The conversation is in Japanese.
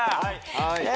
はい。